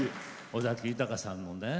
尾崎豊さんのね。